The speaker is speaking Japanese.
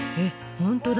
本当だ。